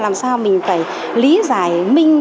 làm sao mình phải lý giải